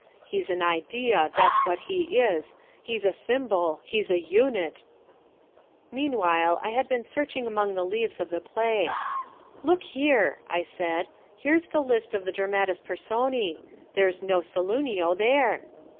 He's an idea, that's what he is, he's a symbol, he's a unit " Meanwhile I had been searching among the leaves of the play. "Look here," I said, "here's the list of the Dramatis Personae. There's no Saloonio there."